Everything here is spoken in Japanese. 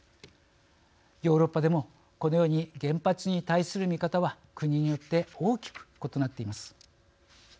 ヨーロッパでもこのように原発に対する見方は国によって大きく異なっています。